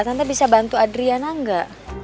anda bisa bantu adriana enggak